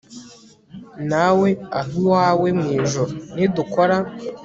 nawe, aho iwawe mu ijuru, nidukora